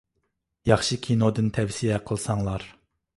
ياخشى كىنودىن تەۋسىيە قىلساڭلار.